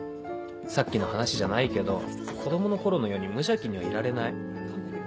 さっきの話じゃないけど子供の頃のように無邪気にはいられない。